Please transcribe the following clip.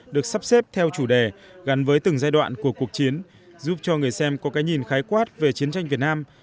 được sắp xếp theo chủ đề gắn với từng giai đoạn của cuộc chiến giúp cho người xem có cái nhìn khái quát về chiến tranh việt nam